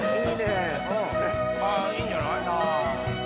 あぁいいんじゃない。